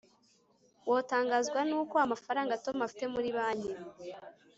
wotangazwa nuko amafaranga tom afite muri banki